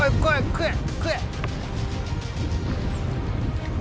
食え食え！